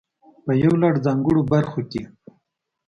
په يو لړ ځانګړو برخو کې.